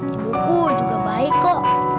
ibuku juga baik kok